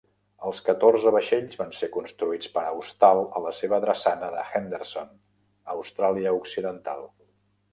Els catorze vaixells van ser construïts per Austal a la seva drassana de Henderson, Austràlia Occidental.